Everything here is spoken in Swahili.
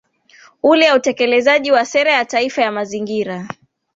Ule ya utekelezaji wa Sera ya Taifa ya Mazingira